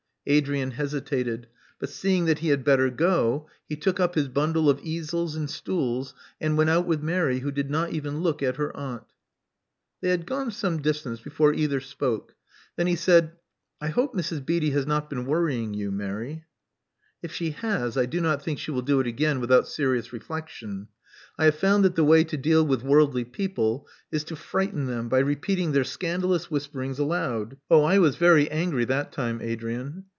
Adrian hesitated. But seeing that he had better go, he took up his bundle of easels and stools, and went out with Mary, who did not even look at her aunt. They had gone some distance before either spoke. Then he said, I hope Mrs. Beatty has not been worrying you, Mary?" '*If she has, I do not think she will do it again with out serious reflexion. I have found that the way to deal with worldly people is to frighten them by repeating their scandalous whisperings aloud. Oh, I was very angry that time, Adrian."